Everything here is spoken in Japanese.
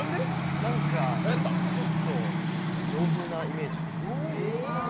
なんか、ちょっと洋風なイメージ。